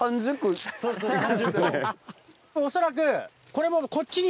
恐らく。